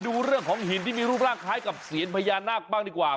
ดูเรื่องของหินที่มีรูปร่างคล้ายกับเสียญพญานาคบ้างดีกว่า